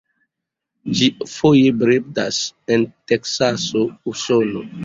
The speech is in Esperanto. Ĝi foje bredas en Teksaso, Usono.